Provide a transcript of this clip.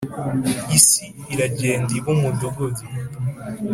Isi iragenda iba umudugudu